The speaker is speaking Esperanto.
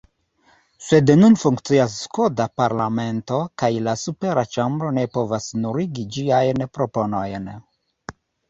Sed nun funkcias skota parlamento, kaj la supera ĉambro ne povas nuligi ĝiajn proponojn.